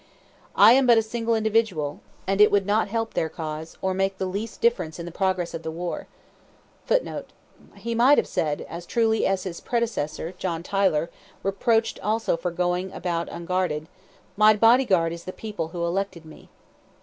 "I am but a single individual, and it would not help their cause, or make the least difference in the progress of the war." [Footnote: He might have said, as truly as his predecessor, John Tyler, reproached also for going about unguarded: "My body guard is the people who elected me."